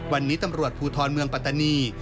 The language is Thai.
วันนี้ตำรวจภูทรเมืองปัตตานี